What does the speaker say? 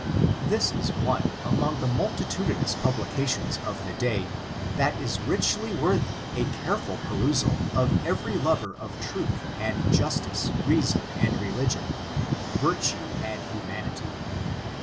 — ^This is one among the multitudinous publications of the day that is richly worthy a careful pemsal by every lover of truth and justice, reason and religicm, virtue and humanity.